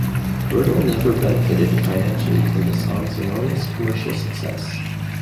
Verdal never benefited financially from the song's enormous commercial success.